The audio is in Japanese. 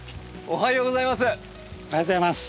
おはようございます。